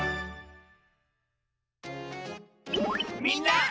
みんな！